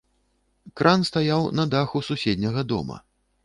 Кран стаяў на даху суседняга дома.